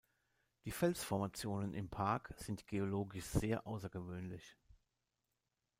Die Felsformationen im Park sind geologisch sehr außergewöhnlich.